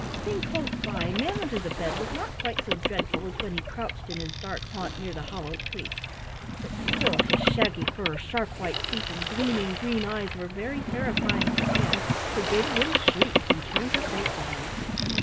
Seen close by, Manunderthebed was not quite so dreadful as when he crouched in his dark haunt near the hollow tree, but still his shaggy fur, sharp white teeth, and gleaming green eyes were very terrifying to Ann, who gave a little shriek and turned her face away.